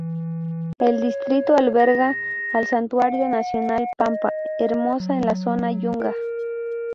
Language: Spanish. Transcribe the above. El distrito alberga al Santuario Nacional Pampa Hermosa en la zona Yunga.